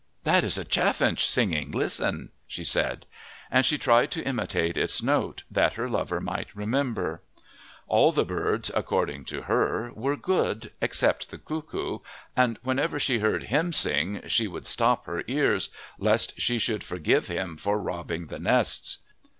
"That is a chaffinch singing. Listen!" she said. And she tried to imitate its note, that her lover might remember. All the birds, according to her, were good, except the cuckoo, and whenever she heard him sing she would stop her ears, lest she should forgive him for robbing the nests.